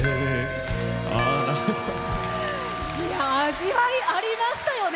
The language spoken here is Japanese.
味わいありましたよね